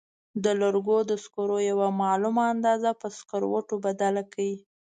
د لرګو د سکرو یوه معلومه اندازه په سکروټو بدله کړئ.